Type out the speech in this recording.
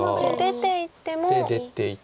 出ていっても。